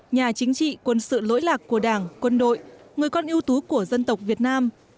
nhà chính trị quân sự lỗi lạc của đảng quân đội người con yêu tú của dân tộc việt nam